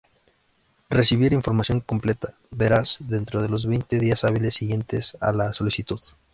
Recibir información completa, veraz, dentro de los veinte días hábiles siguientes a la solicitud.